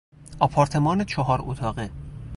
آپارتمان چهار اتاقه